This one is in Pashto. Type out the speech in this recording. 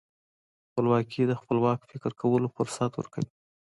خپلواکي د خپلواک فکر کولو فرصت ورکوي.